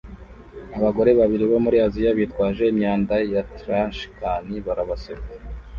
Abagore babiri bo muri Aziya bitwaje imyanda ya trashcan barabaseka